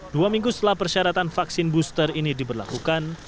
dua minggu setelah persyaratan vaksin booster ini diberlakukan